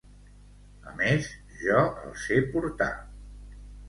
A més, jo el sé portar.